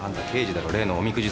例の「おみくじ殺人」